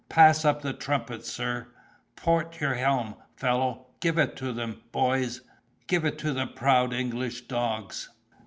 pass up the trumpet, sir; port your helm, fellow; give it them, boys—give it to the proud English dogs!"